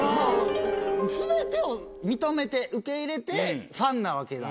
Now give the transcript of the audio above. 全てを認めて受け入れてファンなわけなんで。